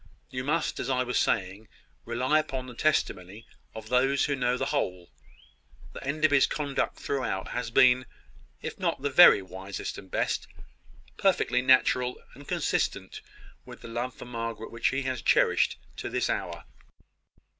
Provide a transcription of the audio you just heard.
You must, as I was saying, rely upon the testimony of those who know the whole, that Enderby's conduct throughout has been, if not the very wisest and best, perfectly natural, and consistent with the love for Margaret which he has cherished to this hour."